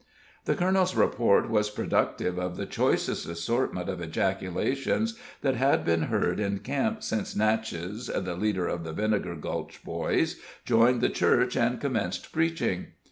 The colonel's report was productive of the choicest assortment of ejaculations that had been heard in camp since Natchez, the leader of the Vinegar Gulch Boys, joined the Church and commenced preaching.